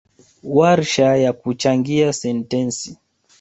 Warsha ya kuchangia sentensi